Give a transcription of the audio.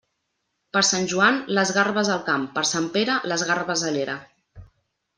Per sant Joan, les garbes al camp; per sant Pere, les garbes a l'era.